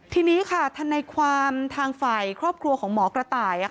ทีนี้ค่ะทนายความทางฝ่ายครอบครัวของหมอกระต่าย